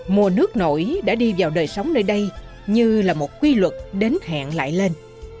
mùa nước nổi đã đi vào đời sống nơi đây như là một quy luật đến hẹn lại lên